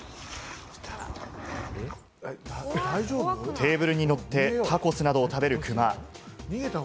テーブルに乗って、タコスなどを食べるクマ。